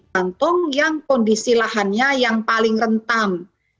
tentang yang kondisi lahannya yang paling rentam